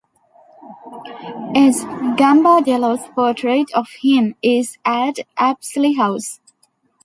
S. Gambardello's portrait of him is at Apsley House.